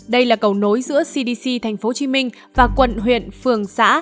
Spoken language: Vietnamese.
đây là cầu nối giữa cdc thành phố hồ chí minh và quận huyện phường xã